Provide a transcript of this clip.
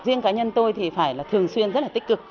riêng cá nhân tôi thì phải là thường xuyên rất là tích cực